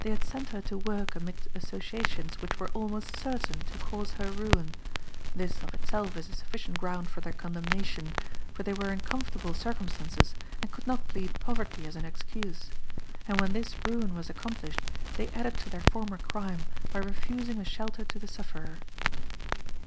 They had sent her to work amid associations which were almost certain to cause her ruin. This, of itself, is a sufficient ground for their condemnation, for they were in comfortable circumstances, and could not plead poverty as an excuse; and when this ruin was accomplished, they added to their former crime by refusing a shelter to the sufferer.